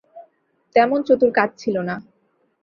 তেমন চতুর কাজ ছিল না।